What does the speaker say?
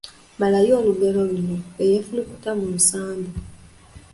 Malayo olugero luno: Eyeefulukuta mu nsambu, ……